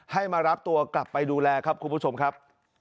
ให้มารับตัวกลับไปดูแลครับคุณผู้ชมครับ